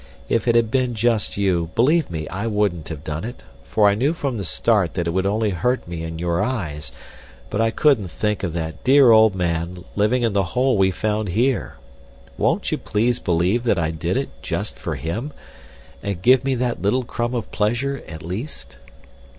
"If it had been just you, believe me, I wouldn't have done it, for I knew from the start that it would only hurt me in your eyes, but I couldn't think of that dear old man living in the hole we found here. Won't you please believe that I did it just for him and give me that little crumb of pleasure at least?"